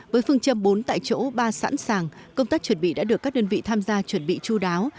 với phương châm bốn tại chỗ ba sẵn sàng công tác chuẩn bị đã được các đơn vị tham gia chuẩn bị chú đáo